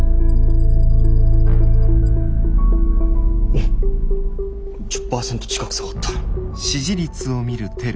おっ１０％近く下がった。